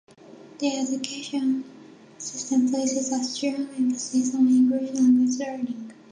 The education system places a strong emphasis on English language learning.